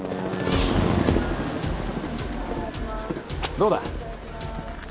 どうだ？